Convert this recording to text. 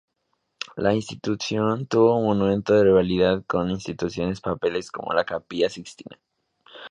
La institución tuvo momentos de rivalidad con otras instituciones papales como la Capilla Sixtina.